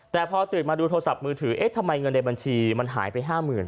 แต่พอตื่นมาดูโทรศัพท์มือถือเอ๊ะทำไมเงินในบัญชีมันหายไป๕๐๐๐